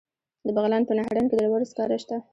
د بغلان په نهرین کې د ډبرو سکاره شته.